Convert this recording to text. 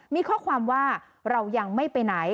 มีข้อความว่าเรายังไม่ไปไหน